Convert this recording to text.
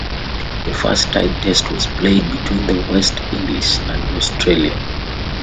The first tied Test was played between the West Indies and Australia.